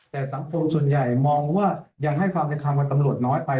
แต่สังคมส่วนใหญ่มองว่ายังให้ความเป็นธรรมกับตำรวจน้อยไป